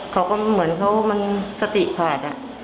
เขาก็เหมือนเขามันสติขาด